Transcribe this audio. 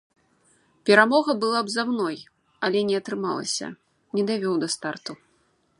Перамога была б за мной, але не атрымалася, не давёў да старту.